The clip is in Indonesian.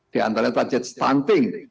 diantaranya target stunting